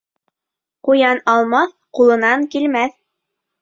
Ҡуян алмаҫ, ҡулынан килмәҫ.